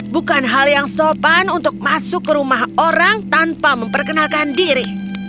bukan hal yang sopan untuk masuk ke rumah orang tanpa memperkenalkan diri